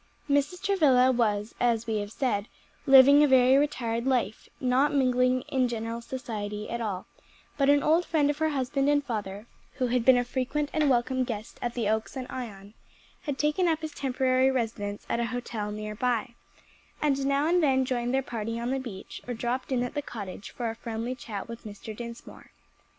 Mrs. Travilla was, as we have said, living a very retired life, not mingling in general society at all, but an old friend of her husband and father, who had been a frequent and welcome guest at the Oaks and Ion, had taken up his temporary residence at a hotel near by, and now and then joined their party on the beach or dropped in at the cottage for a friendly chat with Mr. Dinsmore.